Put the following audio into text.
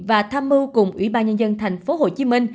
và tham mưu cùng ubnd tp hcm